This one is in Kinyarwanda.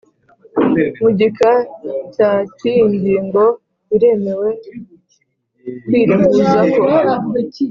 mu gika cya cy iyi ngingo biremewe kwireguzako